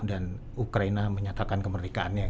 dan ukraina menyatakan kemerdekaannya